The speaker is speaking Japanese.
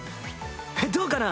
どうかな？